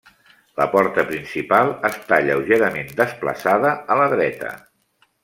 La porta principal està lleugerament desplaçada a la dreta.